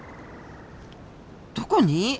どこに？